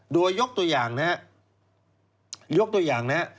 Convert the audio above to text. โดยยกตัวอย่างนี้